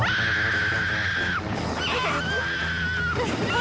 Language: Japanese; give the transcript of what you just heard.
あ！！